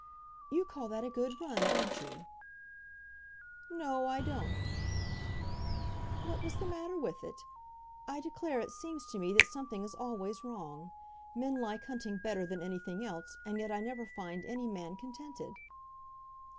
"You call that a good run, don't you?" [Illustration: Adelaide Palliser.] "No; I don't." "What was the matter with it? I declare it seems to me that something is always wrong. Men like hunting better than anything else, and yet I never find any man contented."